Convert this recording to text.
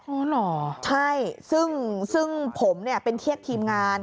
อ๋อหรอใช่ซึ่งผมเป็นเทียกทีมงาน